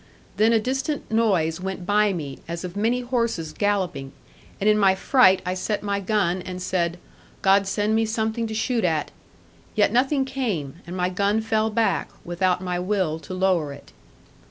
Then a distant noise went by me, as of many horses galloping, and in my fright I set my gun and said, 'God send something to shoot at.' Yet nothing came, and my gun fell back, without my will to lower it.